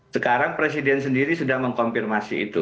sekarang presiden sendiri sudah mengkonfirmasi itu